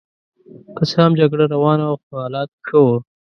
که څه هم جګړه روانه وه خو حالات ښه وو.